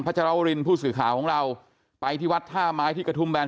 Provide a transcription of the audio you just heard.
จารวรินผู้สื่อข่าวของเราไปที่วัดท่าไม้ที่กระทุ่มแบน